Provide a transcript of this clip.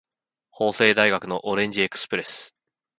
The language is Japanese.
法政大学のオレンジエクスプレス